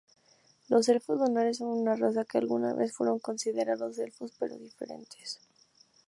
Los elfos lunares son una raza que alguna vez fueron considerados elfos, pero diferentes.